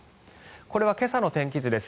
これは今朝の天気図です。